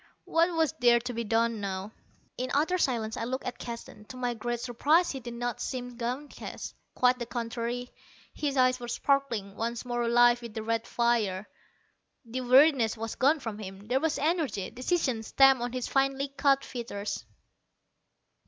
What was there to be done now? In utter silence I looked at Keston. To my great surprise he did not seem downcast. Quite the contrary. His eyes were sparkling, once more alive with the red fire. The weariness was gone from him; there was energy, decision stamped on his finely cut features.